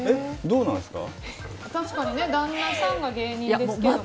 確かに旦那さんが芸人ですけど。